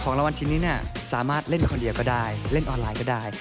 รางวัลชิ้นนี้สามารถเล่นคนเดียวก็ได้เล่นออนไลน์ก็ได้